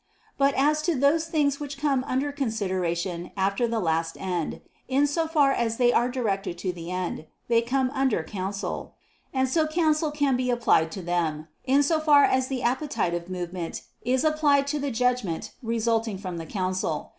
But as to those things which come under consideration after the last end, in so far as they are directed to the end, they come under counsel: and so counsel can be applied to them, in so far as the appetitive movement is applied to the judgment resulting from counsel.